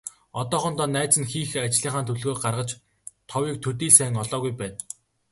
Одоохондоо найз нь хийх ажлынхаа төлөвлөгөөг гаргаж, товыг төдий л сайн олоогүй байна.